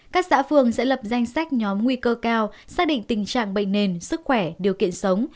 các xã phường sẽ lập danh sách nhóm nguy cơ cao xác định tình trạng bệnh nền sức khỏe điều kiện sống